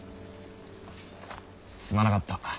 すまなかった。